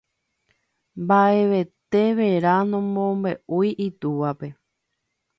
Mba'evete vera nomombe'úi itúvape.